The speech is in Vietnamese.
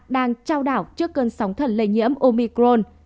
đang trao đảo trước cơn sóng thần lây nhiễm omicron